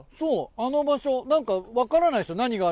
あの場所、なんか分からないでしょ？